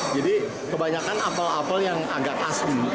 jadi kebanyakan apple apple yang agak asem